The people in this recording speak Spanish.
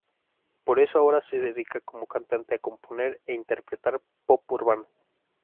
Por eso ahora se dedica como cantante a componer e interpretar pop urbano.